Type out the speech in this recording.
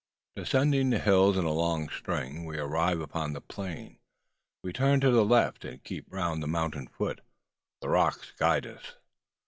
Descending the hills in a long string, we arrive upon the plain. We turn to the left, and keep round the mountain foot. The rocks guide us.